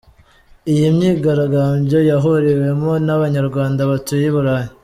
Iyi myigaragambyo yahuriwemo n’abanyarwanda batuye i Burayi.